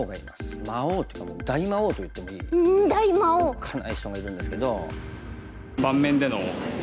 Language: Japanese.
魔王というかもう「大魔王」といってもいいおっかない人がいるんですけど。